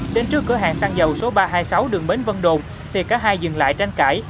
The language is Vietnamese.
đến trước cửa hàng xăng dầu số ba trăm hai mươi sáu đường bến vân đồn thì cả hai dừng lại tranh cãi